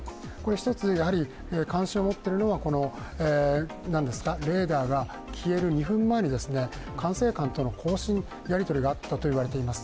１つ関心を持っているのは、レーダーが消える２分前に管制官とのやり取りがあったと言われています。